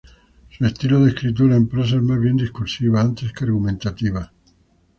Su estilo de escritura en prosa es más bien discursiva, antes que argumentativa.